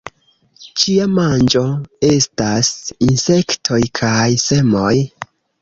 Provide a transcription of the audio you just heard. Ĝia manĝo estas insektoj kaj semoj.